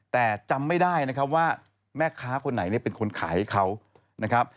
แต่จำไม่ได้ว่าแม่ค้าคนไหนเป็นคนขายให้เขา